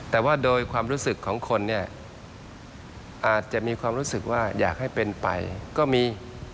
แต่ว่าโดยความรู้สึกของคนเนี่ยอาจจะมีความรู้สึกว่าอยากให้เป็นไปก็มี